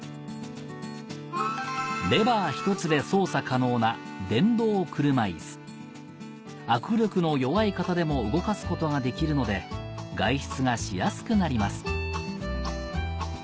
レバー１つで操作可能な握力の弱い方でも動かすことができるので外出がしやすくなります